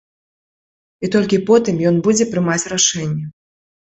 І толькі потым ён будзе прымаць рашэнне.